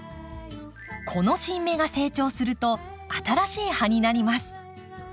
この新芽が成長すると新しい葉になります。